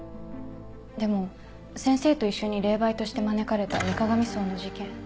でも先生と一緒に霊媒として招かれた水鏡荘の事件。